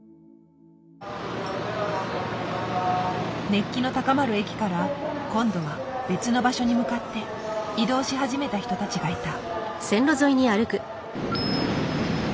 熱気の高まる駅から今度は別の場所に向かって移動し始めた人たちがいた。